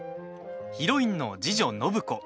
ヒロインの次女・暢子。